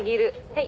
はい。